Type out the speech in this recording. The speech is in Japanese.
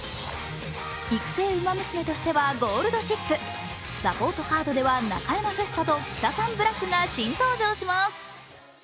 育成ウマ娘としてはゴールドシップ、サポートカードではナカヤマフェスタとキタサンブラックが新登場します。